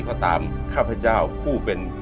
ตามข้าพเจ้าผู้เป็น